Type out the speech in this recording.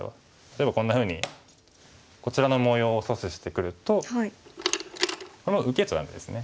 例えばこんなふうにこちらの模様を阻止してくるとこれは受けちゃダメですね。